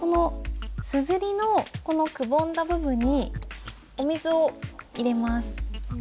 この硯のくぼんだ部分にお水を入れます。